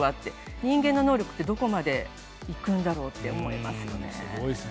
人間の能力ってどこまで行くんだろうって思いますよね。